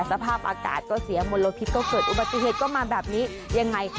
สภาพอากาศก็เสียมลพิษก็เกิดอุบัติเหตุก็มาแบบนี้ยังไง